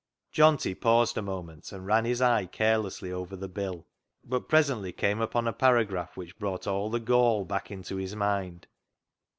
i88 CLOG SHOP CHRONICLES Johnty paused a moment, and ran his eye carelessly over the bill, but presently came upon a paragraph, which brought all the gall back into his mind.